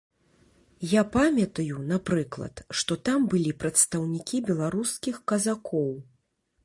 Я памятаю, напрыклад, што там былі прадстаўнікі беларускіх казакоў.